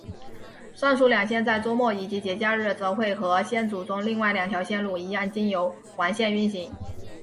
上述两线在周末以及节假日则会和线组中另外两条线路一样经由环线运行。